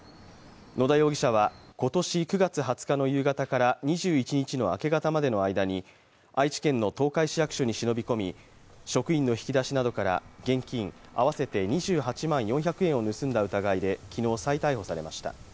野田容疑者は、今年９月２０日の夕方から２１日の明け方までの間に愛知県の東海市役所に忍び込み職員の引き出しなどから現金合わせて２８万４００円を盗んだ疑いで昨日、再逮捕されました。